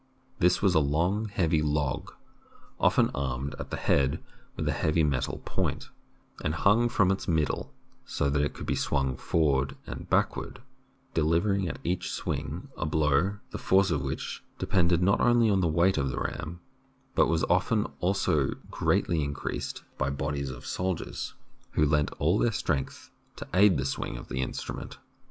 This was a long, heavy log, often armed at the head with a heavy metal point, and hung from its mid dle, so that it could be swung forward and back ward, delivering at each swing a blow the force of which depended not only on the weight of the ram, but also was often greatly increased by bodies of soldiers, who lent all their strength to aid the swing of the instrument.